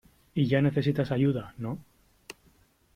y ya necesitas ayuda ,¿ no ?